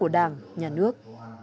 rằng nhà nước